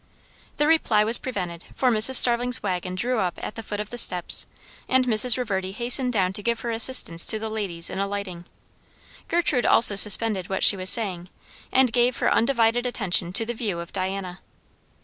The reply was prevented, for Mrs. Starling's waggon drew up at the foot of the steps, and Mrs. Reverdy hastened down to give her assistance to the ladies in alighting. Gertrude also suspended what she was saying, and gave her undivided attention to the view of Diana.